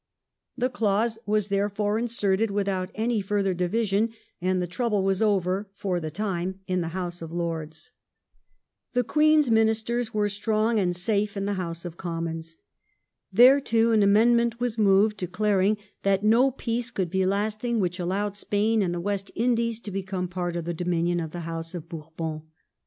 The clause was therefore inserted without any further division, and the trouble was over, for the time, in the House of Lords. The Queen's Ministers were strong and safe in the House of Commons. There, too, an amendment was moved declaring that no peace could be lasting which allowed Spain and the West Indies to become part of the dominion of the House of Bourbon.